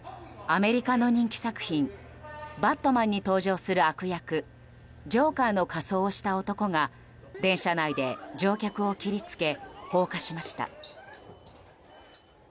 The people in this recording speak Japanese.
アメリカの人気作品「バットマン」に登場する悪役ジョーカーの仮装をした男が電車内で乗客を切りつけ放火しました。